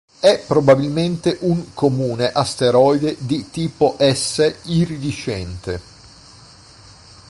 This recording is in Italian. È probabilmente un comune asteroide di tipo S iridescente.